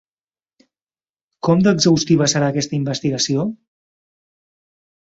Com d'exhaustiva serà aquesta investigació?